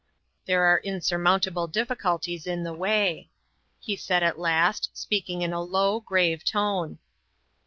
" There are insurmountable difficulties in the way," he said at last, speaking in a low, grave tone.